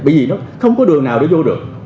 bởi vì nó không có đường nào để vô được